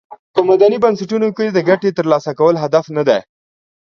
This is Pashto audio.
په مدني بنسټونو کې د ګټې تر لاسه کول هدف ندی.